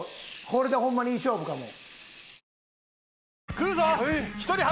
これでホンマにいい勝負かも。